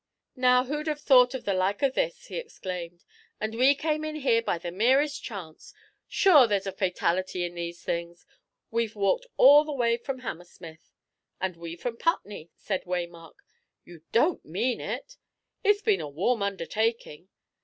"Now, who'd have thought of the like of this." he exclaimed. "And we came in here by the merest chance; sure, there's a fatality in these things. We've walked all the way from Hammersmith." "And we from Putney," said Waymark. "You don't mean it? It's been a warm undertaking."